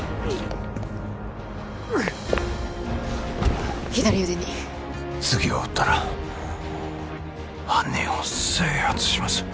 うっ左腕に次を撃ったら犯人を制圧します